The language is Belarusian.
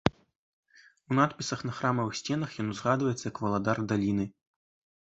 У надпісах на храмавых сценах ён узгадваецца як валадар даліны.